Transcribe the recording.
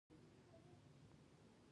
ګرد سره د پېژندلو نه و.